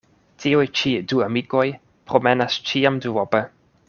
Tiuj ĉi du amikoj promenas ĉiam duope.